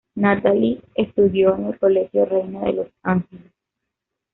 Natalie estudió en el Colegio Reina de los Ángeles.